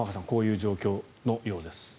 こういう状況のようです。